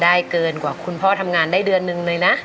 เกินกว่าคุณพ่อทำงานได้เดือนนึงเลยนะ